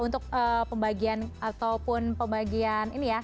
untuk pembagian ataupun pembagian ini ya